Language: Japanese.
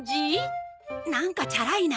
なんかチャラいな。